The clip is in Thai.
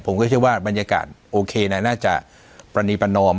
เชื่อว่าบรรยากาศโอเคน่าจะปรณีประนอม